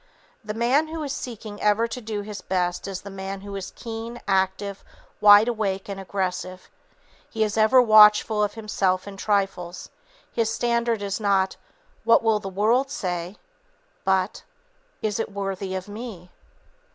The man who is seeking ever to do his best is the man who is keen, active, wide awake, and aggressive. He is ever watchful of himself in trifles; his standard is not "What will the world say?" but "Is it worthy of me?"